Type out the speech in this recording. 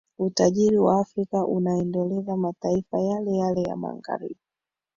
Utajiri wa Afrika unaendeleza mataifa yale yale ya magharibi